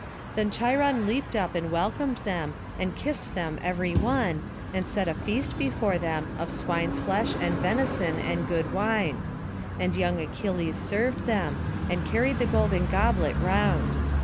Then Cheiron leapt up and welcomed them, and kissed them every one, and set a feast before them, of swine's flesh, and venison, and good wine; and young Achilles served them, and carried the golden goblet round.